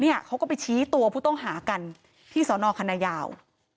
เขาก็ไปชี้ตัวผู้ต้องหากันที่สอนอคณะยาว